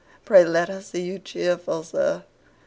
Pray let us see you cheerful, sir.